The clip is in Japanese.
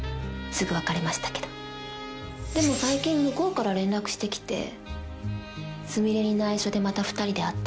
すぐ別れましたけどでも最近向こうから連絡してきてスミレにないしょでまた２人で会ってました